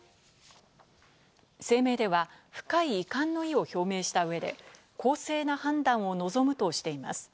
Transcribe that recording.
声明では、深い遺憾の意を表明した上で、公正な判断を望むとしています。